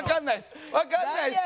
わかんないです。